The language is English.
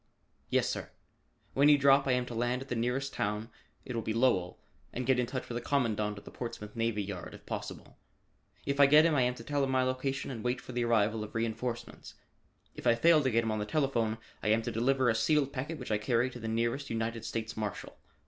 "Yes, sir. When you drop, I am to land at the nearest town it will be Lowell and get in touch with the Commandant of the Portsmouth Navy Yard if possible. If I get him, I am to tell him my location and wait for the arrival of reenforcements. If I fail to get him on the telephone, I am to deliver a sealed packet which I carry to the nearest United States Marshal.